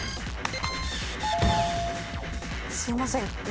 すいません。